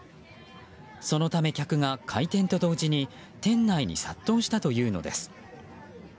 そのため客が、開店と同時に店内に殺到したというのです。